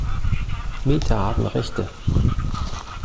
Mieter haben Rechte.